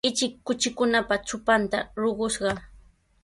Ichik kuchikunapa trupanta ruqushqa.